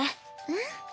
うん。